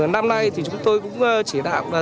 năm nay chúng tôi cũng chỉ đạo